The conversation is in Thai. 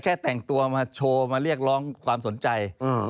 แค่แต่งตัวมาโชว์มาเรียกร้องความสนใจ